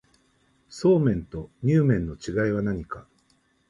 そうめんとにゅう麵の違いは何か